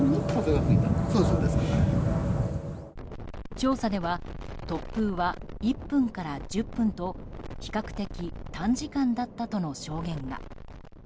調査では突風は１分から１０分と比較的短時間だったとの証言が。